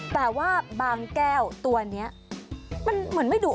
แต่ว่าบางแก้วตัวนี้มันเหมือนไม่ดุ